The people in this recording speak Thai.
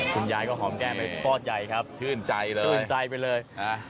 คุณยายก็หอมแก้งไปฟอสใหญ่ครับชื่นใจไปเลย